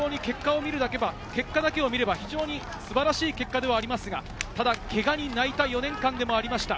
結果だけを見れば非常に素晴らしい結果ですが、けがに泣いた４年間でもありました。